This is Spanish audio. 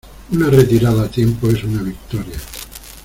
Una retirada a tiempo es una victoria.